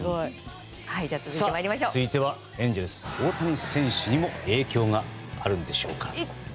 続いてはエンゼルス大谷翔平選手にも影響があるんでしょうか。